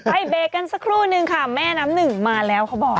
เบรกกันสักครู่นึงค่ะแม่น้ำหนึ่งมาแล้วเขาบอก